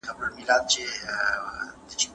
زه اجازه لرم چي زدکړه وکړم!.